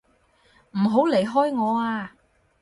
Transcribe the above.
唔好離開我啊！